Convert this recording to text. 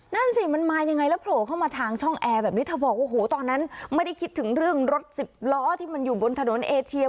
นั่นสิมันมายังไงแล้วโผล่เข้ามาทางช่องแอร์แบบนี้เธอบอกว่าโหตอนนั้นไม่ได้คิดถึงเรื่องรถสิบล้อที่มันอยู่บนถนนเอเชีย